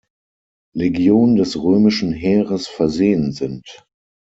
Legion des römischen Heeres versehen sind.